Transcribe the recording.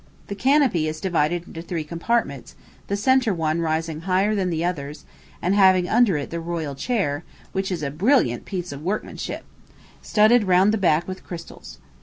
The canopy is divided into three compartments, the centre one rising higher than the others, and having under it the royal chair, which is a brilliant piece of workmanship; studded round the back with crystals.